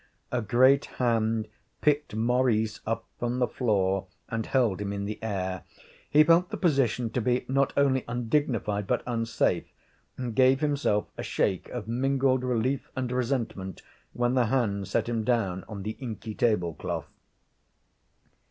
A great hand picked Maurice up from the floor and held him in the air. He felt the position to be not only undignified but unsafe, and gave himself a shake of mingled relief and resentment when the hand set him down on the inky table cloth.